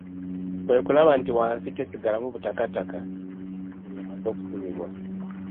Kwe kulaba nti wansi tesigalamu butakataka ng'emaze okusimibwa.